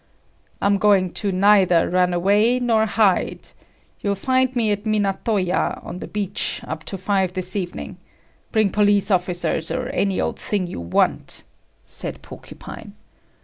"I'm going to neither run away nor hide. You'll find me at Minato ya on the beach up to five this evening. Bring police officers or any old thing you want," said Porcupine.